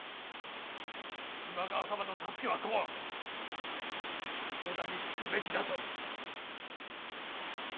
今川様の助けは来ん織田につくべきだと。